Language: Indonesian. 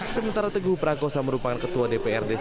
sementara teguh prakosa merupakan ketua dprd